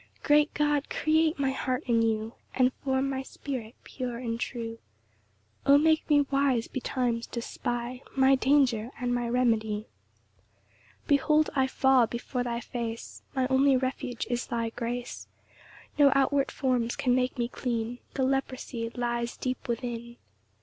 3 [Great God, create my heart anew, And form my spirit pure and true: O make me wise betimes to spy My danger, and my remedy.] 4 Behold I fall before thy face; My only refuge is thy grace: No outward forms can make me clean; The leprosy lies deep within.